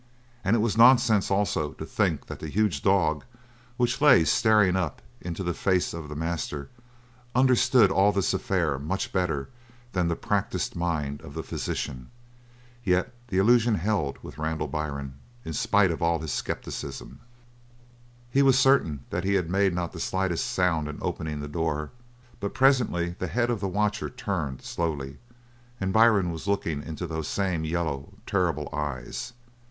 And it was nonsense, also, to think that the huge dog which lay staring up into the face of the master understood all this affair much better than the practiced mind of the physician. Yet the illusion held with Randall Byrne in spite of all his scepticism. He was certain that he had made not the slightest sound in opening the door, but presently the head of the watcher turned slowly, and Byrne was looking into those same yellow, terrible eyes.